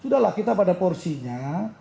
sudahlah kita pada porsinya